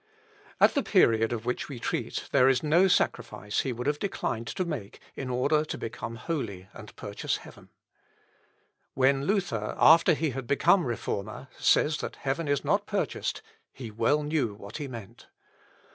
At the period of which we treat there is no sacrifice he would have declined to make, in order to become holy and purchase heaven. When Luther, after he had become Reformer, says that heaven is not purchased, he well knew what he meant.